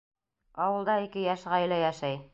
Ауылда ике йәш ғаилә йәшәй.